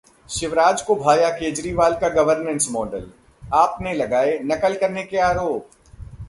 शिवराज को भाया केजरीवाल का गवर्नेंस मॉडल, आप ने लगाए नकल करने के आरोप